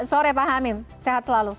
sore pak hamim sehat selalu